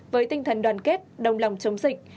với tinh thần đoàn kết đồng lòng chống dịch